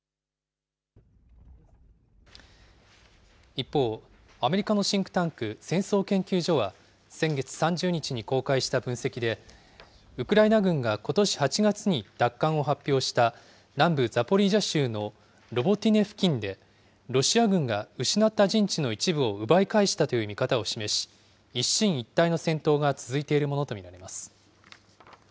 一方、アメリカのシンクタンク戦争研究所は、先月３０日に公開した分析で、ウクライナ軍がことし８月に奪還を発表した南部ザポリージャ州のロボティネ付近で、ロシア軍が失った陣地の一部を奪い返したという見方を示し、一進一退の戦闘が続いているものと見られます。